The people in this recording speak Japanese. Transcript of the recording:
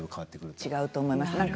違うと思います。